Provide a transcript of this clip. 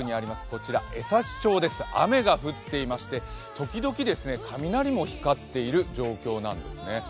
こちら、江差町です、雨が降っていまして、時々雷も光っている状況なんですね。